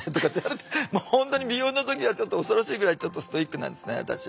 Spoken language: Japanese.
本当に美容の時はちょっと恐ろしいぐらいちょっとストイックなんですね私。